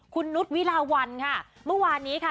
คุณนุษย์วิลาวันค่ะเมื่อวานนี้ค่ะ